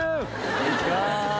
こんにちは。